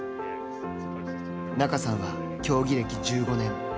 仲さんは競技歴１５年。